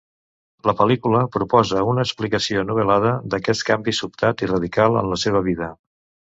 La pel·lícula proposa una explicació novel·lada d'aquest canvi sobtat i radical en la seva vida.